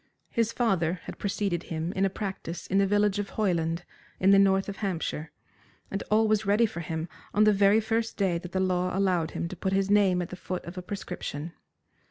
His father had preceded him in a practice in the village of Hoyland, in the north of Hampshire, and all was ready for him on the very first day that the law allowed him to put his name at the foot of a prescription.